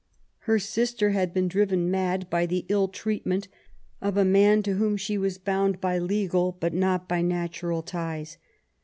Her sister had been driven mad by the ill treatment of a man to whom she was bound by legal, but not by natural ties.